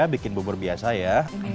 bikin bubur biasa ya